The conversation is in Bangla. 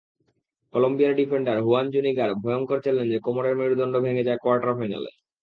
কলম্বিয়ার ডিফেন্ডার হুয়ান জুনিগার ভয়ংকর চ্যালেঞ্জে কোমরের মেরুদণ্ড ভেঙে যায় কোয়ার্টার ফাইনালে।